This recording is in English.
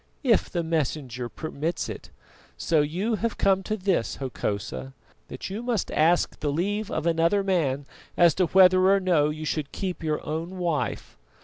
"If the Messenger permits it! So you have come to this, Hokosa, that you must ask the leave of another man as to whether or no you should keep your own wife!